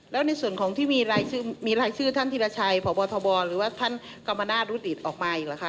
และในส่วนของที่มีลายชื่อท่านธิรชัยพศพรอบธ์ภัทร์หรือว่าท่านกัมมาณาสรุตรออกมาอีกล่ะคะ